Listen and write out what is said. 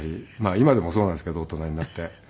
今でもそうなんですけど大人になって。